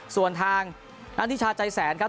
ส่วนทางนัทธิชาใจแสนครับ